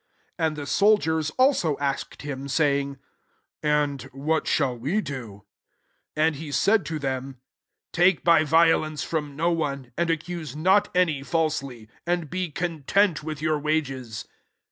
14 And the soldiers also asked him, saying, " And what shall we do ?'* And he said to them, Take by violence from no one, and accuse not any falsely ; and be content with your wa ges.'